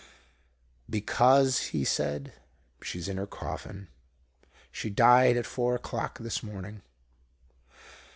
"'Because,' he said, '_she's in her coffin. She died at four o'clock this morning.